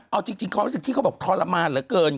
เอาจริงความรู้สึกที่เขาบอกทรมานเหลือเกิน